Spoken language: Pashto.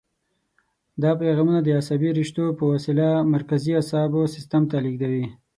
دا پیغامونه د عصبي رشتو په وسیله مرکزي اعصابو سیستم ته لېږدوي.